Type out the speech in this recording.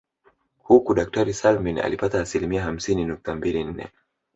Huku daktari Salmin alipata asilimia hamsini nukta mbili nne